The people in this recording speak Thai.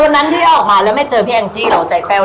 แต่วันนั้นพี่ออกมาแล้วไม่เจอพี่แองจิเหล่าใจเป้าเลยแล้ว